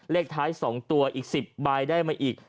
เลขท้าย๒ตัวอีก๑๐ใบได้มาอีก